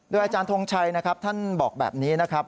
อาจารย์ทงชัยนะครับท่านบอกแบบนี้นะครับ